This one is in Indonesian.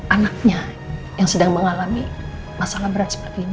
anaknya yang sedang mengalami masalah berat seperti ini